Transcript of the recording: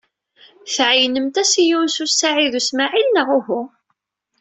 Tɛeyynemt-as i Yunes u Saɛid u Smaɛil, neɣ uhu?